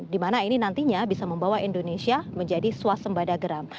dimana ini nantinya bisa membawa indonesia menjadi swasembada garam